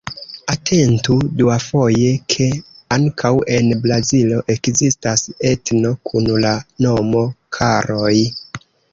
Atentu duafoje, ke ankaŭ en Brazilo ekzistas etno kun la nomo "Karoj".